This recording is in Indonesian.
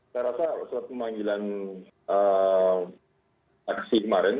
saya rasa surat pemanggilan aksi kemarin